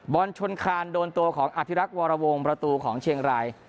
บอลชนคานโดนตัวของอภิรักษ์วรวงประตูของเชียงราย